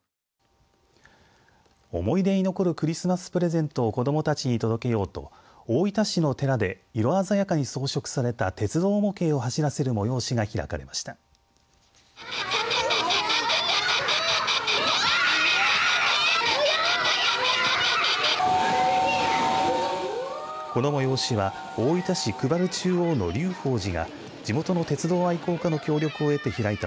思い出に残るクリスマスプレゼントを子どもたちに届けようと大分市の寺で色鮮やかに装飾された鉄道模型を走らせる催しが開かれました。